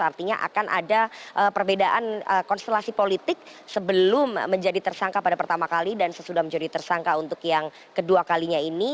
artinya akan ada perbedaan konstelasi politik sebelum menjadi tersangka pada pertama kali dan sesudah menjadi tersangka untuk yang kedua kalinya ini